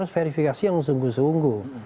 verifikasi yang sungguh sungguh